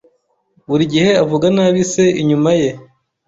Buri gihe avuga nabi se inyuma ye.